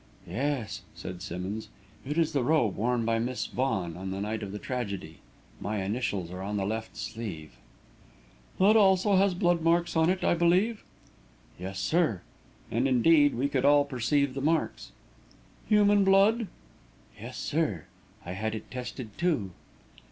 "Yes," said Simmonds. "It is the robe worn by Miss Vaughan on the night of the tragedy. My initials are on the left sleeve." "That also has blood marks on it, I believe?" "Yes, sir;" and, indeed, we could all perceive the marks. "Human blood?" "Yes, sir. I had it tested, too."